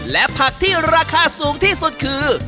และผักที่ราคาสูงที่สุดคือ